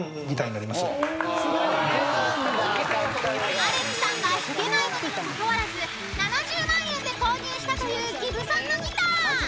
［アレクさんが弾けないのにもかかわらず７０万円で購入したというギブソンのギター］